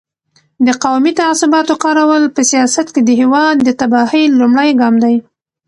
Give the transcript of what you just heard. د قومي تعصباتو کارول په سیاست کې د هېواد د تباهۍ لومړی ګام دی.